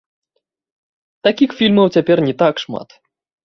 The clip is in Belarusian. Такіх фільмаў цяпер не так шмат.